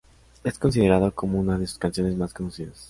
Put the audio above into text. Es considerado como una de sus canciones más conocidas.